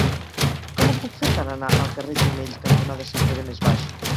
Com ho puc fer per anar al carrer Tonell cantonada Sant Pere Més Baix?